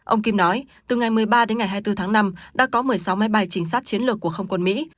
ông kim nói từ ngày một mươi ba đến ngày hai mươi bốn tháng năm đã có một mươi sáu máy bay chính sát chiến lược của không quân mỹ